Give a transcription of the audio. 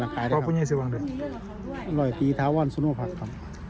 รอยตีท้าวันสุโนภักดิ์ครับ